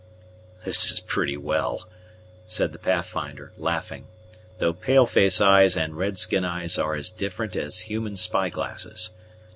"This is pretty well," said the Pathfinder, laughing; "though pale face eyes and red skin eyes are as different as human spy glasses.